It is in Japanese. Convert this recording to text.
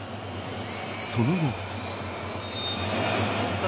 その後。